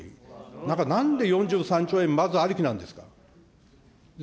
なんか、なんで４３兆円、まずありきなんですか。